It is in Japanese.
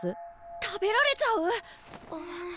食べられちゃう！？